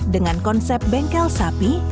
dengan konsep bengkel sapi